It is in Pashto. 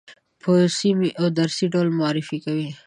په رسمي او درسي ډول معرفي کوي.